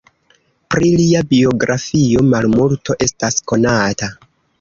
Pri lia biografio malmulto estas konata.